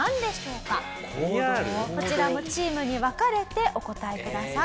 こちらもチームに分かれてお答えください。